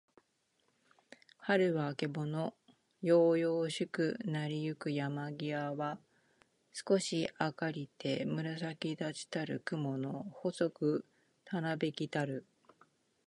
春はるは、あけぼの。やうやうしろくなりゆく山やまぎは、すこし明あかりて、紫むらさきだちたる雲くもの、細ほそくたなびきたる。